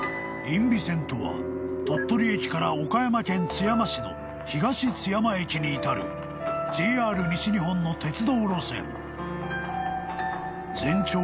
［因美線とは鳥取駅から岡山県津山市の東津山駅に至るＪＲ西日本の鉄道路線］